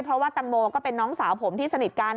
เพราะว่าตังโมก็เป็นน้องสาวผมที่สนิทกัน